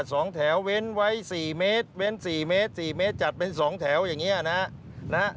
สองแถวเว้นไว้สี่เมตรเว้นสี่เมตรสี่เมตรจัดเป็นสองแถวอย่างเงี้ยนะฮะนะฮะ